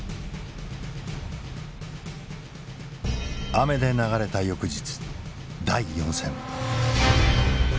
雨で流れた翌日第４戦。